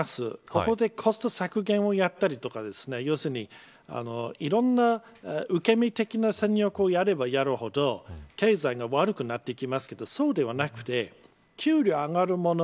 ここでコスト削減をやったりいろんな受け身的な戦略をやればやるほど経済が悪くなってきますけどそうではなくて給料が上がるもの